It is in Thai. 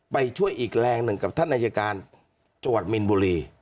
ไปช่วยอีกแรงหนึ่งกับท่านอายการจังหวัดมินบุรี